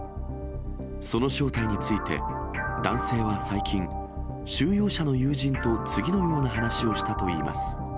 その正体について、男性は最近、収容者の友人と次のような話をしたといいます。